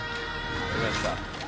ありがとうございます。